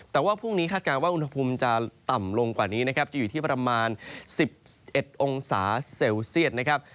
แต่ว่าพรุ่งนี้คาดการณ์ว่าอุณหภูมิจะต่ำลงกว่านี้นะครับจะอยู่ที่ประมาณ๑๑องศาเซลเซียตนะครับ